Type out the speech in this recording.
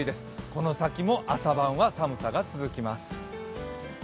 この先も朝晩は寒さが続きます。